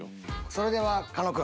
それでは狩野君。